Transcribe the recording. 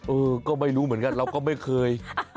เออก็ไม่รู้เหมือนกันเราก็ไม่เคย